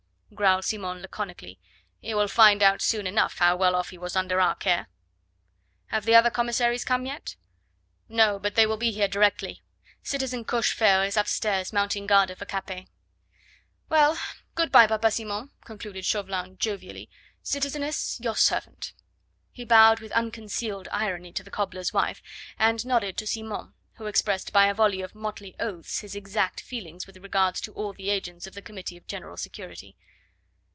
growled Simon laconically. "He will find out soon enough how well off he was under our care." "Have the other commissaries come yet?" "No. But they will be here directly. Citizen Cochefer is upstairs mounting guard over Capet." "Well, good bye, Papa Simon," concluded Chauvelin jovially. "Citizeness, your servant!" He bowed with unconcealed irony to the cobbler's wife, and nodded to Simon, who expressed by a volley of motley oaths his exact feelings with regard to all the agents of the Committee of General Security.